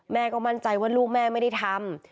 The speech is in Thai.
แม่ก็มั่นใจว่าลูกแม่ไม่ได้ทำ